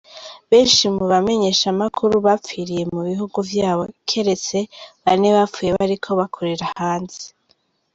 Benshi mu bamenyeshamakuru bapfiriye mu bihugu vyabo kiretse bane bapfuye bariko bakorera hanze.